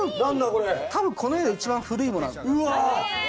多分この家で一番古いもの。